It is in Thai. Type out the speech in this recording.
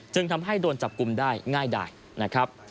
ทำให้โดนจับกลุ่มได้ง่ายได้นะครับ